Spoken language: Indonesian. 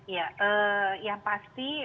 ya yang pasti